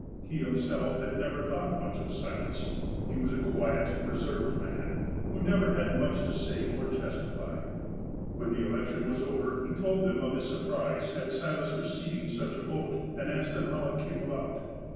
He himself had never thought much of Silas. He was a quiet, reserved man, who never had much to say, or testify. When the election was over, he told them of his surprise at Silas receiving such a vote, and asked them how it came about.